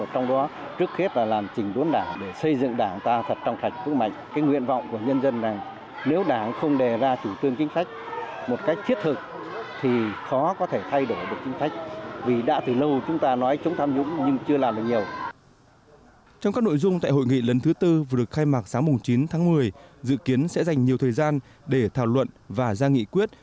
trong các nội dung tại hội nghị lần thứ bốn vừa được khai mạc sáng chín tháng một mươi dự kiến sẽ dành nhiều thời gian để thảo luận và ra nghị quyết